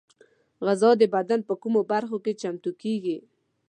غذا د بدن په کومو برخو کې چمتو کېږي؟